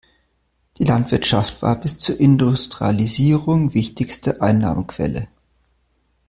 Die Landwirtschaft war bis zur Industrialisierung wichtigste Einnahmequelle.